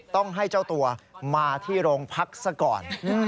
ต้องให้เจ้าตัวมาที่โรงพักซะก่อน